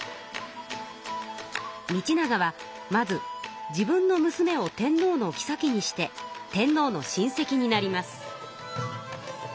道長はまず自分の娘を天皇のきさきにして天皇の親戚になります。